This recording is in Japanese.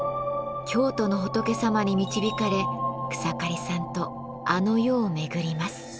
京都の仏さまに導かれ草刈さんとあの世を巡ります。